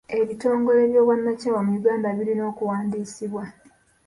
Ebitongole by'obwannakyewa mu Uganda birina okuwandiisibwa.